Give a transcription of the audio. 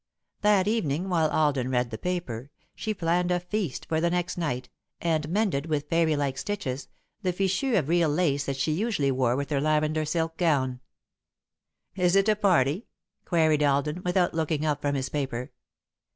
That evening, while Alden read the paper, she planned a feast for the next night, and mended, with fairy like stitches, the fichu of real lace that she usually wore with her lavender silk gown. "Is it a party?" queried Alden, without looking up from his paper.